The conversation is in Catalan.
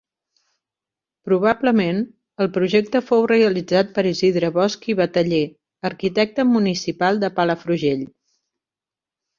Probablement el projecte fou realitzat per Isidre Bosch i Bataller, arquitecte municipal de Palafrugell.